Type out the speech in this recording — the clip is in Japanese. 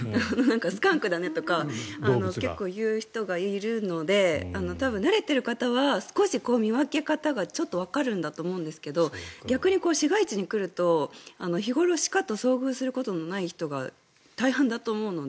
スカンクだねとか結構、言う人がいるので多分、慣れている方は少し、見分け方がわかるんだと思うんですけど逆に市街地に来ると日頃、鹿と遭遇することのない人が大半だと思うので。